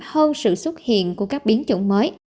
hơn sự xuất hiện của các biến chủng mới